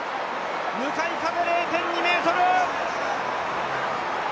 向かい風０．２メートル。